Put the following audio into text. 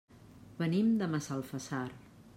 Venim de Massalfassar.